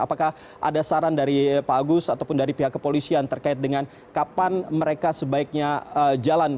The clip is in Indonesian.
apakah ada saran dari pak agus ataupun dari pihak kepolisian terkait dengan kapan mereka sebaiknya jalan